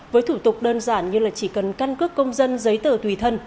với thủ tục đơn giản như là chỉ cần căn cước công dân giấy tờ tùy thân